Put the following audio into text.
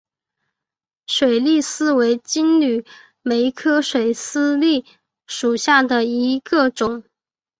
水丝梨为金缕梅科水丝梨属下的一个种。